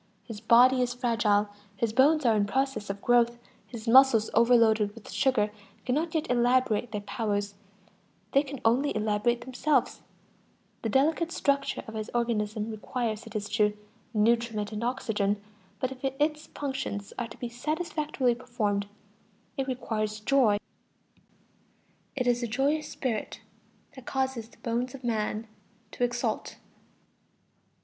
His body is fragile, his bones are in process of growth, his muscles, overloaded with sugar, cannot yet elaborate their powers; they can only elaborate themselves; the delicate structure of his organism requires, it is true, nutriment and oxygen; but if its functions are to be satisfactorily performed, it requires joy. It is a joyous spirit which causes "the bones of man to exult."